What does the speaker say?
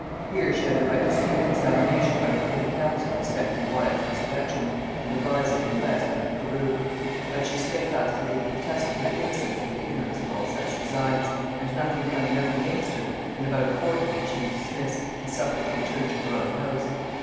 Here she underwent a strict examination by the privy council respecting Wyat's insurrection, and the rising in the West under Carew; but she steadfastly protested her innocence and ignorance of all such designs; and nothing coming out against her, in about a fortnight she was dismissed, and suffered to return to her own house.